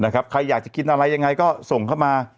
ใครอยากจะกินอะไรยังไงก็ส่งเข้ามา